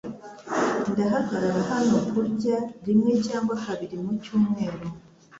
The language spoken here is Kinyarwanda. Ndahagarara hano kurya rimwe cyangwa kabiri mu cyumweru .